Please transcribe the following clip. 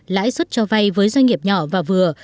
lãi suất cho vay với doanh nghiệp nhỏ và vừa